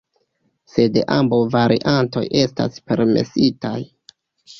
Sed ambaŭ variantoj estas permesitaj.